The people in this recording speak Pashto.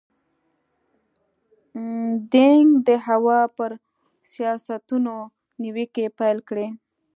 دینګ د هوا پر سیاستونو نیوکې پیل کړې.